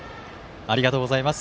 ありがとうございます。